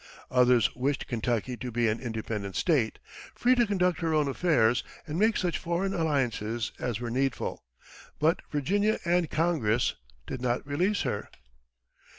Others wished Kentucky to be an independent State, free to conduct her own affairs and make such foreign alliances as were needful; but Virginia and Congress did not release her.